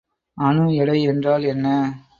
அணு எடை என்றால் என்ன?